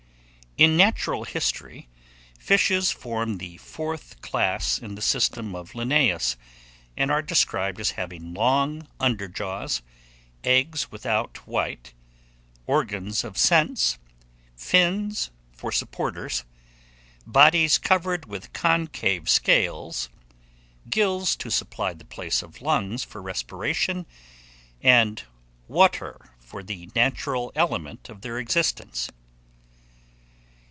IN NATURAL HISTORY, FISHES form the fourth class in the system of Linnaeus, and are described as having long under jaws, eggs without white, organs of sense, fins for supporters, bodies covered with concave scales, gills to supply the place of lungs for respiration, and water for the natural element of their existence.